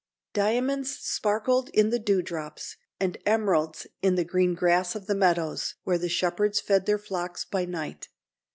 Diamonds sparkled in the dew drops, and emeralds in the green grass of the meadows, where the shepherds fed their flocks by night.